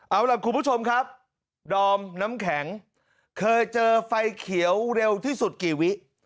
เอาล่ะคุณผู้ชมครับดอมน้ำแข็งเคยเจอไฟเขียวเร็วที่สุดกี่วิ